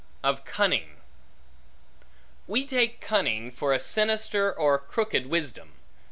Of Cunning WE TAKE cunning for a sinister or crooked wisdom.